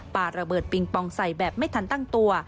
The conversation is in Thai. ปาระเบิดปิงปองใส่แบบไม่ทันตั้งตัว